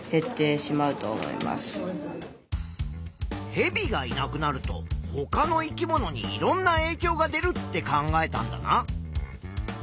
ヘビがいなくなるとほかの生き物にいろんなえいきょうが出るって考えたんだな。